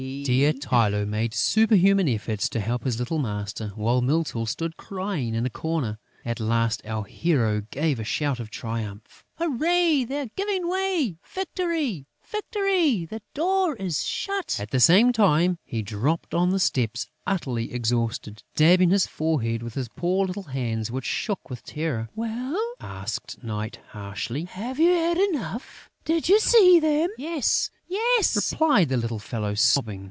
Dear Tylô made superhuman efforts to help his little master, while Mytyl stood crying in a corner. At last, our hero gave a shout of triumph: "Hurrah! They're giving way! Victory! Victory! The door is shut!" At the same time, he dropped on the steps, utterly exhausted, dabbing his forehead with his poor little hands which shook with terror. "Well?" asked Night, harshly. "Have you had enough? Did you see them?" "Yes, yes!" replied the little fellow, sobbing.